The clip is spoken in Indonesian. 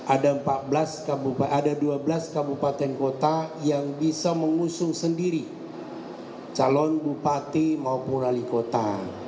ada dua belas kabupaten kota yang bisa mengusung sendiri calon bupati maupun wali kota